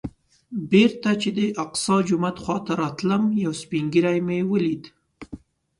بېرته چې د الاقصی جومات خوا ته راتلم یو سپین ږیری مې ولید.